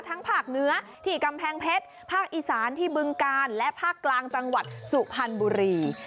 ภาคเหนือที่กำแพงเพชรภาคอีสานที่บึงกาลและภาคกลางจังหวัดสุพรรณบุรี